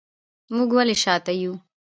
موږ ولې شاته یو؟